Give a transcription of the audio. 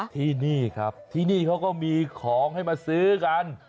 ที่นี่ครับที่นี่เขาก็มีของให้มาซื้อกัน